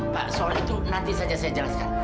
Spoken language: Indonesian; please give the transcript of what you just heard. pak soal itu nanti saja saya jelaskan